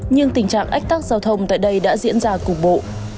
nhưng tình trạng ách tắc giao thông tại đây đã diễn ra cục bộ